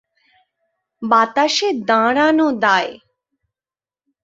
বাতাসে দাঁড়ানো দায়।